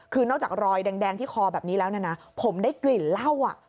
คือนอกจากรอยแดงที่คอแบบนี้แล้วนะผมได้กลิ่นเหล้า